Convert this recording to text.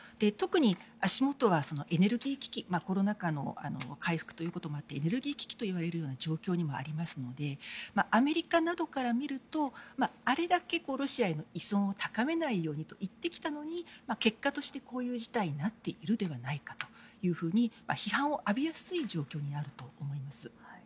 特に、足元はエネルギー危機コロナ禍の回復もあってエネルギー危機という状況にもありますのでアメリカなどから見るとあれだけロシアへの依存を高めないようにと言ってきたのに結果としてこういう事態になっているではないかというふうに批判を浴びやすい状況にあると思います。